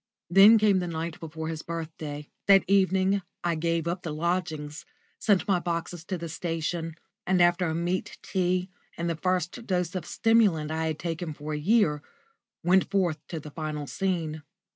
Then came the night before his birthday. That evening I gave up the lodgings, sent my boxes to the station, and after a meat tea and the first dose of stimulant I had taken for a year, went forth to the final scene.